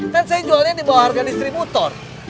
kan saya jualnya di bawah harga distributor